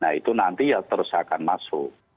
nah itu nanti ya terus akan masuk